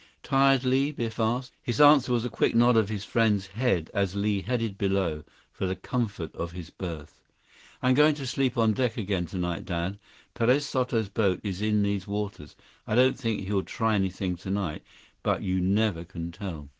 "Tired, Li?" Biff asked. His answer was a quick nod of his friend's head as Li headed below for the comfort of his berth. "I'm going to sleep on deck again tonight, Dad. Perez Soto's boat is in these waters. I don't think he'll try anything tonight, but you never can tell."